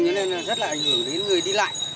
cho nên là rất là ảnh hưởng đến người đi lại